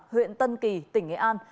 huyện tân kỳ tỉnh nghệ an